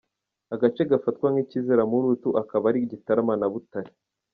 Agace gafatwa nk’ikizira muri utu akaba ari Gitarama na Butare.